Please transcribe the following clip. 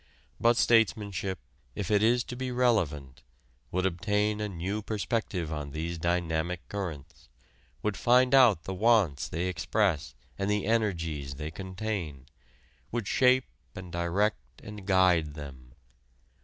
But statesmanship, if it is to be relevant, would obtain a new perspective on these dynamic currents, would find out the wants they express and the energies they contain, would shape and direct and guide them.